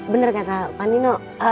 bener kata pak nino